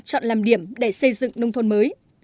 chọn làm điểm để xây dựng nông thôn mới